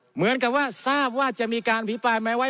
เหมือนกับว่าทราบว่าจะมีการอภิปรายไหมไว้